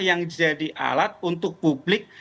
yang jadi alat untuk publik